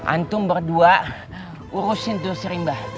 antum berdua urusin tuh serimbah